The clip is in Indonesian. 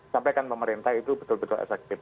sampaikan pemerintah itu betul betul efektif